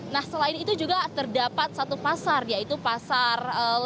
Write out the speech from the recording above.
nah selain itu juga terdapat satu pasar yaitu pasar